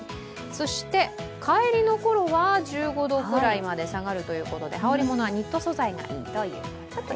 そして帰りのころは１５度くらいまで下がるということで羽織り物はニット素材がいいと。